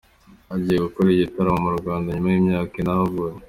Agiye gukorera igitaramo mu Rwanda nyuma y’imyaka ine ahavuye.